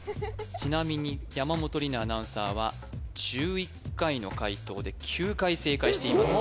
ちなみに山本里菜アナウンサーは１１回の解答で９回正解しています